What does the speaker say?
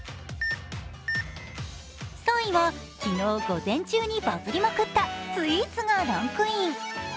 ３位は昨日午前中にバズリまくったスイーツがランクイン。